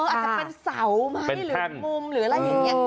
อาจจะเป็นเสาไหมหรือมุมหรืออะไรอย่างนี้